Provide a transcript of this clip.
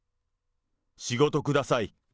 仕事ください。